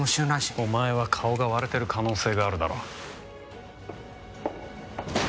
お前は顔が割れてる可能性があるだろ。